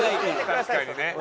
確かにね。